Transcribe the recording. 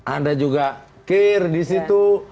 ada juga kir di situ